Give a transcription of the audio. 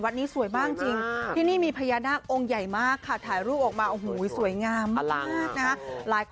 ก็ไม่สบายมันก็อยู่ที่สันตุรัส